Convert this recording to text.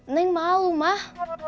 neng malu mah